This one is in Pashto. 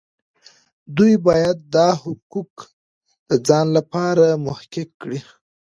دوی باید دا حقوق د ځان لپاره محقق کړي.